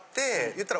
いったら。